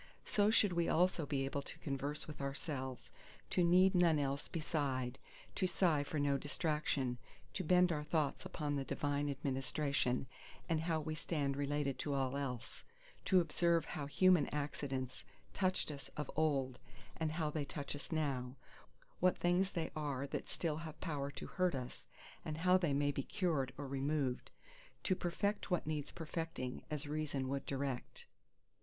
So should we also be able to converse with ourselves, to need none else beside, to sigh for no distraction, to bend our thoughts upon the Divine Administration, and how we stand related to all else; to observe how human accidents touched us of old, and how they touch us now; what things they are that still have power to hurt us, and how they may be cured or removed; to perfect what needs perfecting as Reason would direct.